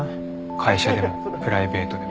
会社でもプライベートでも。